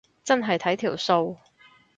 真係睇彩數